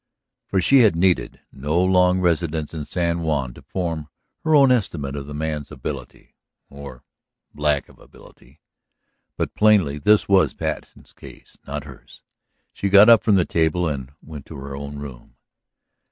For she had needed no long residence in San Juan to form her own estimate of the man's ability ... or lack of ability. But plainly this was Patten's case, not hers; she got up from the table and went into her own room.